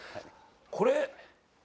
これ。